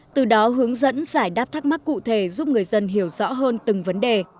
từ đó hướng dẫn giải đáp thắc mắc cụ thể giúp người dân hiểu rõ hơn từng vấn đề